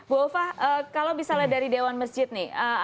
bu ulfa kalau misalnya dari dewan masjid nih